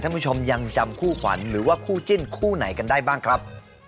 ผู้ชมยังจำคู่ขวัญหรือว่าคู่จิ้นคู่ไหนกันได้บ้างครับ